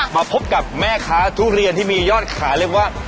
มาพบกับแม่ค้าทุเรียนที่มียอดขายเรียกว่า